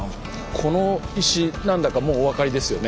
この石何だかもうお分かりですよね？